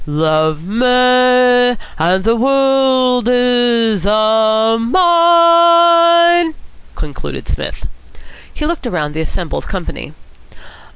"'Lov' muh, ahnd ther world is ah mine!'" concluded Psmith. He looked round the assembled company.